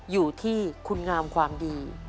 อยู่ที่คุณงามความดี